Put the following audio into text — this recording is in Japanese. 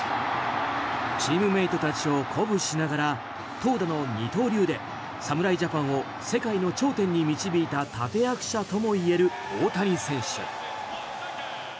チームメートたちを鼓舞しながら投打の二刀流で侍ジャパンを世界の頂点に導いた立役者ともいえる大谷翔平選手。